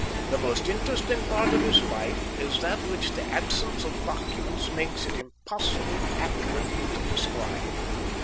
The most interesting part of his life is that which the absence of documents makes it impossible accurately to describe.